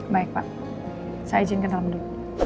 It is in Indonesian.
baik pak saya izinkan dalam dulu